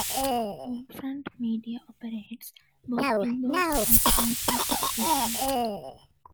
Outfront Media operates both billboards and transit displays.